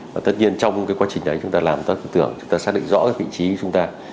và tất nhiên trong cái quá trình đấy chúng ta làm tốt tư tưởng chúng ta xác định rõ vị trí chúng ta